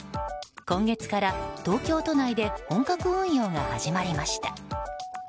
今月から東京都内で本格運用が始まりました。